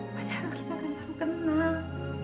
padahal kita kan baru kenal